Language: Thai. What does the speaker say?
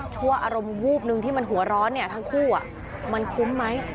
อารมณ์วูบนึงที่มันหัวร้อนทั้งคู่มันคุ้มไหม